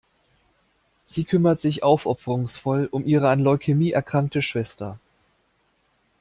Sie kümmert sich aufopferungsvoll um ihre an Leukämie erkrankte Schwester.